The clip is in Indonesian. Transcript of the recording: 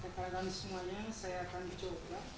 pertama kali semuanya saya akan coba